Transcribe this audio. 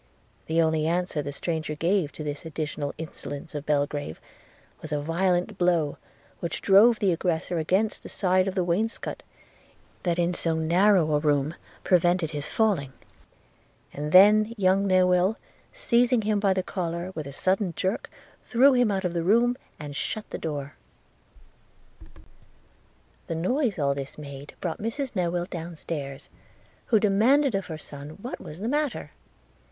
The only answer the stranger gave to this additional insolence of Belgrave was a violent blow, which drove the aggressor against the side of the wainscot, that in so narrow a room prevented his falling; and then young Newill, seizing him by the collar, with a sudden jerk threw him out of the room, and shut the door. The noise all this made brought Mrs Newill down stairs, who demanded of her son what was the matter?